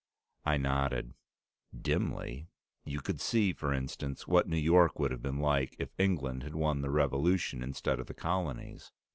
I nodded. "Dimly. You could see, for instance, what New York would have been like if England had won the Revolution instead of the Colonies."